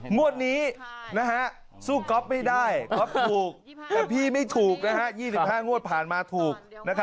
งวดนี้สู้ก๊อฟไม่ได้ก๊อฟถูกแต่พี่ไม่ถูก๒๕งวดผ่านมาถูก